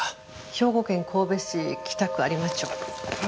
兵庫県神戸市北区有馬町。